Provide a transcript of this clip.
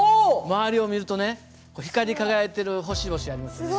周りを見るとね光り輝いている星々ありますね。